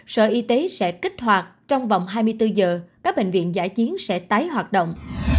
sở y tế sẽ kích hoạt trong vòng hai mươi bốn giờ các bệnh viện giải chiến sẽ tái hoạt động